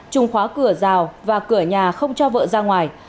trung khóa cửa rào và cửa nhà không cho vợ ra ngoài